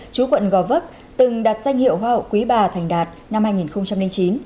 chú quận gò vấp từng đạt danh hiệu hoa hậu quý bà thành đạt năm hai nghìn chín